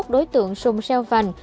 đối tượng xung xeo vành